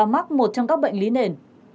một trong các bệnh lý nền